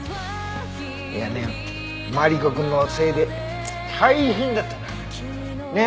いやでもマリコくんのせいで大変だったんだから。ねえ？